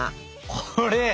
これ！